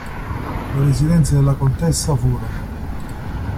Le residenze della contessa furono.